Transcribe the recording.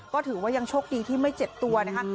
ก็ถือว่ายังโชคดีที่ไม่เจ็บตัวนะคะ